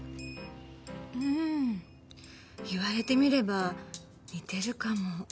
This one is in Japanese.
うん言われてみれば似てるかも。